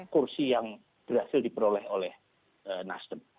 kursi yang berhasil diperoleh oleh nasdem